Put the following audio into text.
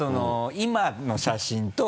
今の写真と。